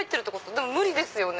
でも無理ですよね。